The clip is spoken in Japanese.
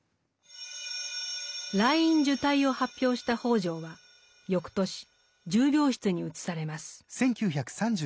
「癩院受胎」を発表した北條は翌年重病室に移されます。